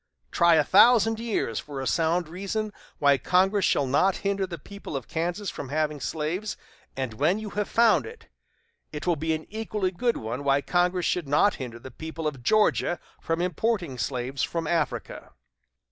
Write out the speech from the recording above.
Try a thousand years for a sound reason why Congress shall not hinder the people of Kansas from having slaves, and when you have found it, it will be an equally good one why Congress should not hinder the people of Georgia from importing slaves from Africa."